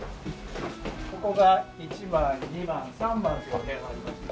ここが一番二番三番というお部屋がありまして。